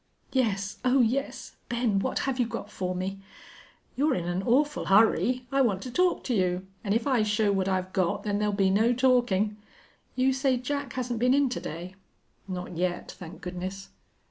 "Yes. Oh yes. Ben, what have you got for me?" "You're in an awful hurry. I want to talk to you, an' if I show what I've got then there will be no talkin'. You say Jack hasn't been in to day?" "Not yet, thank goodness."